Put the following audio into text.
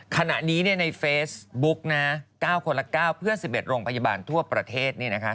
ขณะนี้ในเฟซบุ๊กนะ๙คนละ๙เพื่อ๑๑โรงพยาบาลทั่วประเทศ